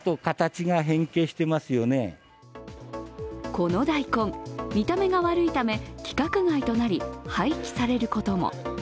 この大根、見た目が悪いため規格外となり廃棄されることも。